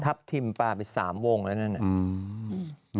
ทิมปลาไป๓วงแล้วนั่นน่ะอืม